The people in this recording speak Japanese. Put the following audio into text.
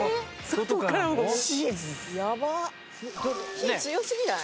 火強すぎない？